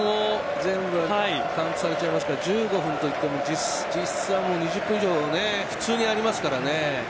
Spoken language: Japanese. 全部カウントされちゃいますから１５分、実際は２０分以上普通にありますからね。